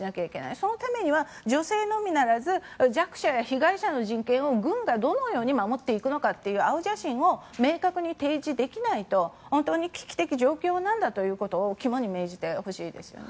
そのためには女性のみならず弱者や被害者の人権を軍がどのように守っていくのかという青写真を明確に提示できないと危機的状況なんだということを肝に銘じてほしいですね。